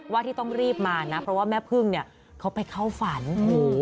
ที่ต้องรีบมานะเพราะว่าแม่พึ่งเนี่ยเขาไปเข้าฝันโอ้โห